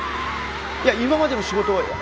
いや今までの仕事は。